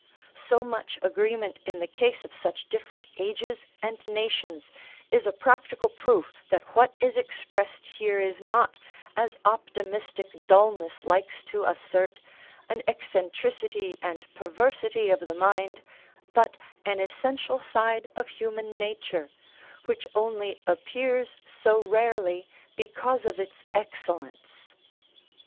So much agreement in the case of such different ages and nations is a practical proof that what is expressed here is not, as optimistic dulness likes to assert, an eccentricity and perversity of the mind, but an essential side of human nature, which only appears so rarely because of its excellence.